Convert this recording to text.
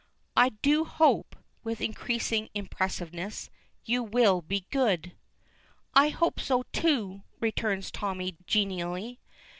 I do hope," with increasing impressiveness, "you will be good." "I hope so, too," returns Tommy, genially.